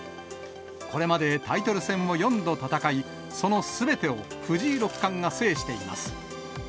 これまでタイトル戦を４度戦い、そのすべてを藤井六冠が制しています。